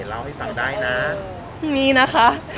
เล่าให้ฟังได้นะมีนะคะ